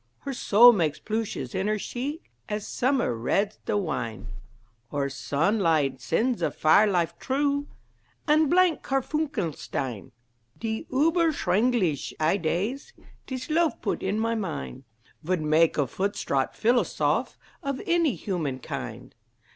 Her soul makes plooshes in her sheek, As sommer reds de wein, Or sonlight sends a fire life troo An blank karfunkelstein. De ueberschwengliche idées Dis lofe put in my mind, Vould make a foostrate philosoph Of any human kind.